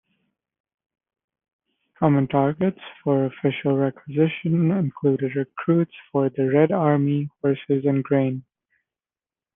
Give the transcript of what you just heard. Common targets for official requisitioning included recruits for the Red Army, horses, and grain.